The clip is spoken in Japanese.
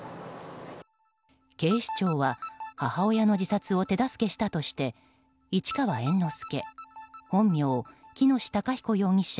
警視庁は母親の自殺を手助けしたとして市川猿之助本名・喜熨斗孝彦容疑者